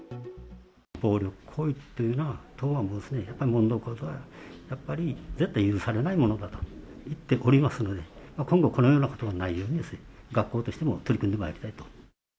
暴力行為っていうのは、やっぱり問題行動は絶対許されないものだと言っておりますので、今後、このようなことがないように、学校としても取り組んでまいりたいと。